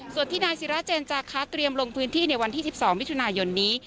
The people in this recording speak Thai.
ส่วนที่นายศิราเจนจาคะเตรียมลงพื้นที่ในวันที่๑๒มิถุนายนนี้